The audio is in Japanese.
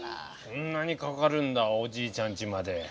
そんなにかかるんだおじいちゃんちまで。